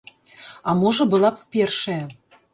А можа была б першая.